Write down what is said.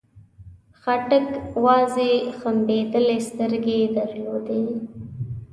خاټک وازې ځمبېدلې سترګې درلودې.